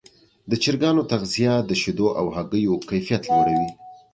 د چرګانو تغذیه د شیدو او هګیو کیفیت لوړوي.